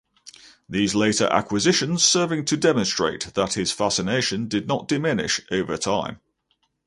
These later acquisitions serving to demonstrate that his fascination did not diminish over time.